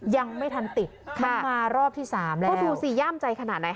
ยังไม่ทันติดมันมารอบที่สามแล้วก็ดูสิย่ามใจขนาดไหน